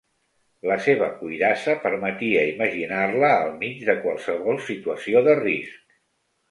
La seva cuirassa permetia imaginar-la al mig de qualsevol situació de risc.